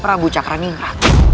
prabu cakra ningra